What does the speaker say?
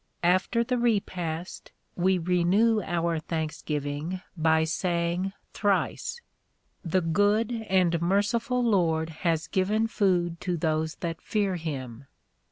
After the repast, we renew our thanksgiving by saying thrice: The good and merciful Lord has 238 The Sign of the Cross given food to those that fear Him.